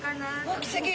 大きすぎ！